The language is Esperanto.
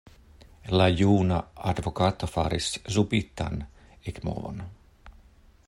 La juna advokato faris subitan ekmovon.